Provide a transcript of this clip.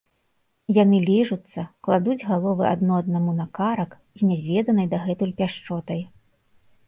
Яны ліжуцца, кладуць галовы адно аднаму на карак з нязведанай дагэтуль пяшчотай.